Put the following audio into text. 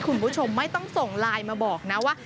คุณผู้ชมไม่ต้องส่งไลน์มาบอกนะว่า